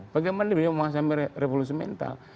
bagaimana dibuat revolusi mental